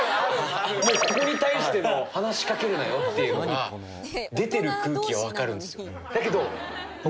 もうここに対しての話しかけるなよっていうのが出てる空気はわかるんですよ。